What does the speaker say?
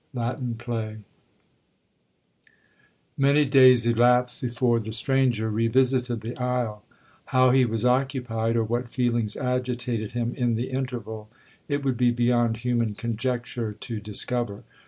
LATIN PLAY 'Many days elapsed before the stranger revisited the isle. How he was occupied, or what feelings agitated him in the interval, it would be beyond human conjecture to discover.